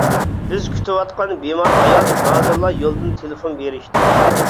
-بىز كۈتۈۋاتقان بىمار ئايال، ھازىرلا يولدىن تېلېفون بېرىشتى.